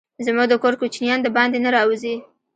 زموږ د کور کوچينان دباندي نه راوزي.